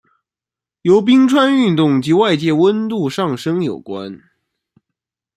由冰川运动及外界温度上升有关。